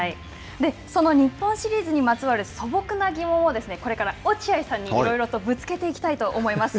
その日本シリーズにまつわる素朴な疑問をこれから落合さんにいろいろとぶつけていきたいと思います。